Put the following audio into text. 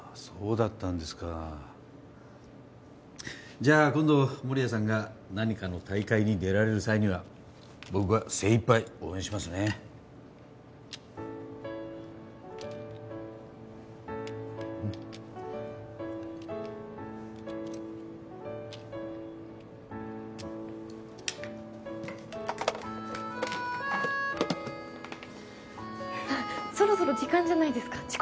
そうだったんですかじゃあ今度守屋さんが何かの大会に出られる際には僕が精いっぱい応援しますねそろそろ時間じゃないですか？